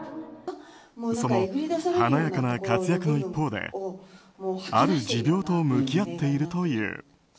その華やかな活躍の一方である持病と向き合っているという。